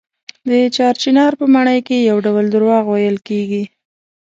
د چار چنار په ماڼۍ کې یو ډول درواغ ویل کېږي.